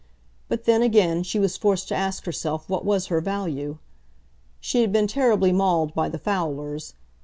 But then, again, she was forced to ask herself what was her value. She had been terribly mauled by the fowlers.